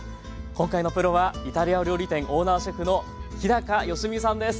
今回のプロはイタリア料理店オーナーシェフの日良実さんです